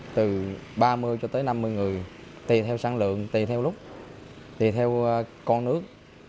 từ ba mươi cho tới năm mươi người tùy theo sản lượng tùy theo lúc tùy theo con nước